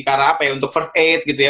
karena apa ya untuk first aid gitu ya